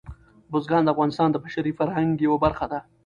بزګان د افغانستان د بشري فرهنګ یوه برخه ده.